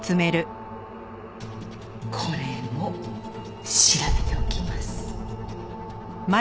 これも調べておきます。